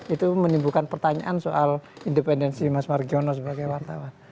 itu menimbulkan pertanyaan soal independensi mas margiono sebagai wartawan